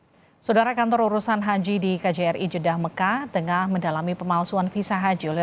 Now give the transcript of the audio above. hai saudara kantor urusan haji di kjri jeddah mekah tengah mendalami pemalsuan visa haji oleh